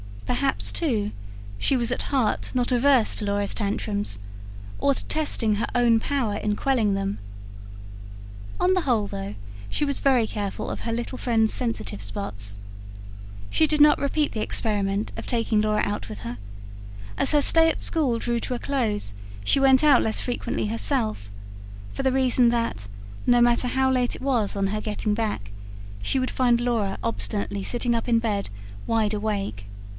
Perhaps, too, she was at heart not averse to Laura's tantrums, or to testing her own power in quelling them. On the whole, though, she was very careful of her little friend's sensitive spots. She did not repeat the experiment of taking Laura out with her; as her stay at school drew to a close she went out less frequently herself; for the reason that, no matter how late it was on her getting back, she would find Laura obstinately sitting up in bed, wide awake.